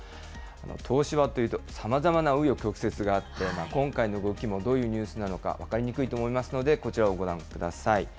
東芝というとさまざまなう余曲折があって、今回の動きもどういうニュースなのか、分かりにくいと思いますので、こちらをご覧ください。